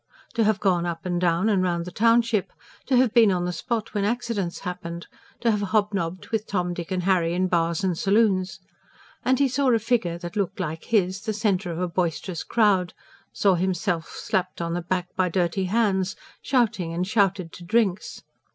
To have gone up and down and round the township; to have been on the spot when accidents happened; to have hobnobbed with Tom, Dick and Harry in bars and saloons. And he saw a figure that looked like his the centre of a boisterous crowd; saw himself slapped on the back by dirty hands, shouting and shouted to drinks.